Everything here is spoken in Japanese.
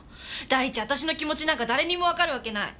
第一私の気持ちなんか誰にもわかるわけない。